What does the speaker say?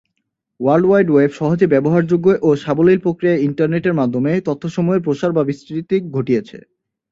World wide web সহজে ব্যবহার যোগ্য ও সাবলীল পক্রিয়ায় ইন্টারনেটের মাধ্যমে তথ্য সমূহের প্রসার বা বিস্তৃতি ঘটিয়েছে।